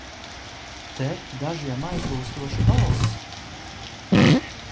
Te dažiem aizlūstoša balss!